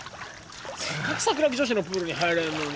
せっかく桜木女子のプールに入れるのに。